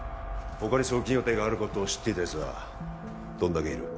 他に送金予定があることを知っていたやつはどんだけいる？